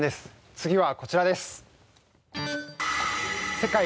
次はこちらです